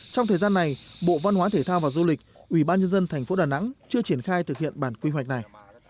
trong thời gian này bộ văn hóa thể thao và du lịch ủy ban nhân dân thành phố đà nẵng chưa triển khai thực hiện bản quy hoạch này